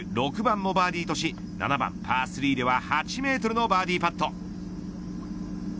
６番もバーディーとし７番パー３では８メートルのバーディーパット。